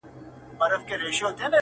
چي مقتول ته د انصاف غوښتنه